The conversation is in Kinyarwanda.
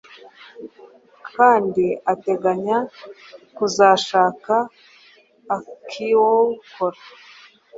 kandi ateganya kuzashaka akiwukora